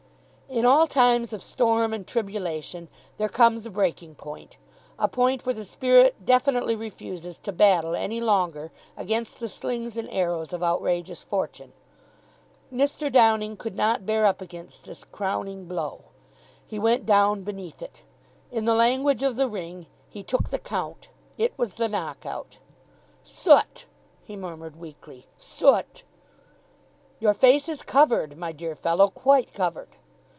In all times of storm and tribulation there comes a breaking point, a point where the spirit definitely refuses, to battle any longer against the slings and arrows of outrageous fortune. Mr. Downing could not bear up against this crowning blow. He went down beneath it. In the language of the Ring, he took the count. It was the knock out. "Soot!" he murmured weakly. "Soot!" "Your face is covered, my dear fellow, quite covered."